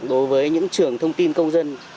đối với những trường thông tin công dân